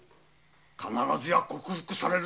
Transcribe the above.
必ずや克服される。